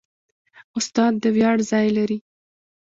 استاد د ویاړ ځای لري.